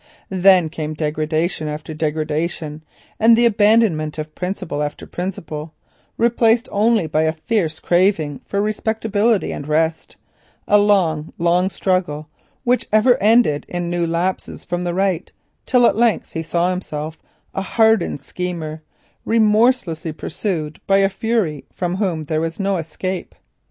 Then came degradation after degradation, and the abandonment of principle after principle, replaced only by a fierce craving for respectability and rest, a long, long struggle, which ever ended in new lapses from the right, till at length he saw himself a hardened schemer, remorselessly pursued by a fury from whom there was no escape.